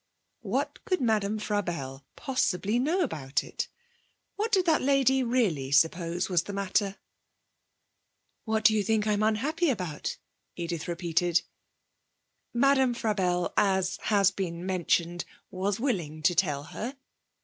What could Madame Frabelle possibly know about it? What did that lady really suppose was the matter? 'What do you think I'm unhappy about?' Edith repeated. Madame Frabelle, as has been mentioned, was willing to tell her.